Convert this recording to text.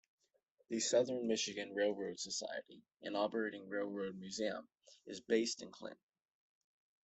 The Southern Michigan Railroad Society, an operating railroad museum, is based in Clinton.